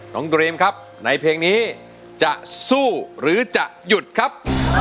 ดรีมครับในเพลงนี้จะสู้หรือจะหยุดครับ